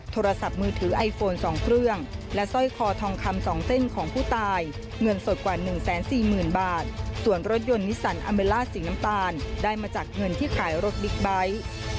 โทรศัพท์มือถือไอโฟน๒เครื่องและสร้อยคอทองคำ๒เส้นของผู้ตายเงินสดกว่า๑๔๐๐๐บาทส่วนรถยนต์นิสันอัมเบลล่าสีน้ำตาลได้มาจากเงินที่ขายรถบิ๊กไบท์